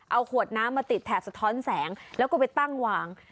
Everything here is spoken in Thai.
เอาขวดน้ำมาติดแถบสะท้อนแสงแล้วก็ไปตั้งวาง